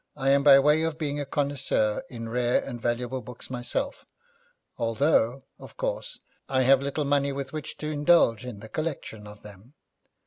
I am by way of being a connoisseur in rare and valuable books myself, although, of course, I have little money with which to indulge in the collection of them.